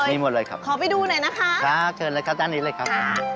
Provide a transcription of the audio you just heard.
มีหมดเลยขอไปดูหน่อยครับค่ะเชิญแล้วกันด้านนี้เลยครับ